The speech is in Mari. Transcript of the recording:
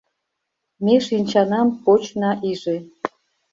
Ме шинчанам почна иже